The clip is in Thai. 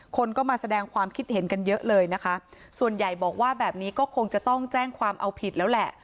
คนก็มาแสดงความคิดเห็นกันเยอะเลยนะคะส่วนใหญ่บอกว่าแบบนี้ก็คงจะต้องแจ้งความเอาผิดแล้วแหละ